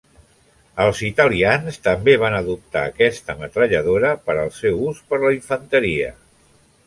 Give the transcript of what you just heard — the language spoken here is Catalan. Els italians també van adoptar aquesta metralladora per al seu ús per la infanteria.